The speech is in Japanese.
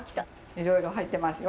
いろいろ入ってますよ。